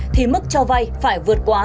thì mức cho vay phải vượt qua